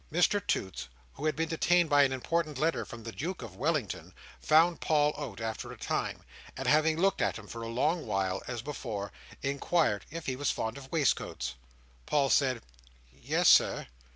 Mr Toots, who had been detained by an important letter from the Duke of Wellington, found Paul out after a time; and having looked at him for a long while, as before, inquired if he was fond of waistcoats. Paul said "Yes, Sir."